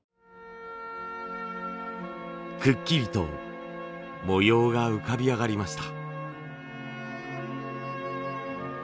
くっきりと模様が浮かび上がりました。